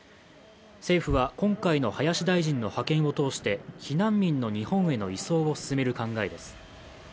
政府は今回の林大臣の派遣を通して、避難民の日本への移送を進める考えです。